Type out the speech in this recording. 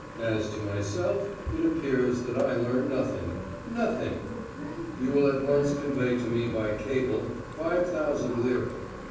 As to myself it appears that I learn nothing nothing! You will at once convey to me by cable five thousand lire.